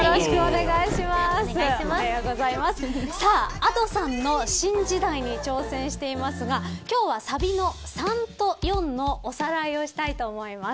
Ａｄｏさんの新時代に挑戦していますが今日はサビの＃３と＃４のおさらいをしたいと思います。